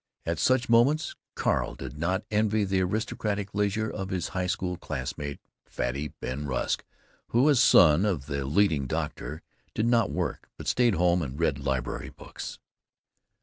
At such moments Carl did not envy the aristocratic leisure of his high school classmate, Fatty Ben Rusk, who, as son of the leading doctor, did not work, but stayed home and read library books.